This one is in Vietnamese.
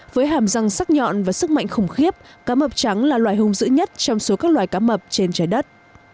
với hàm răng sắc nhọn và sức mạnh khủng khiếp cá mập trắng là loài hùng giữ nhất trong số các loài cá mập trên trái đất